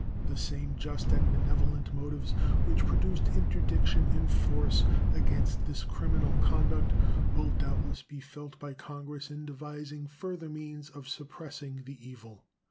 The same just and benevolent motives which produced interdiction in force against this criminal conduct will doubtless be felt by Congress in devising further means of suppressing the evil.